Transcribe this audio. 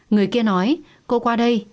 người kia nói cô qua đây